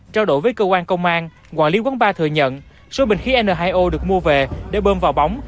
trao đổi với cơ quan công an quản lý quán bar thừa nhận số bình khí n hai o được mua về để bơm vào bóng